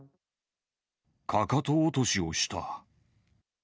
かかと落としをした。